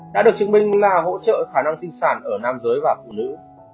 đã được chứng minh là hỗ trợ khả năng sinh sản ở nam giới và phụ nữ